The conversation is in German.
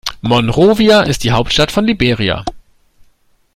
Monrovia ist die Hauptstadt von Liberia.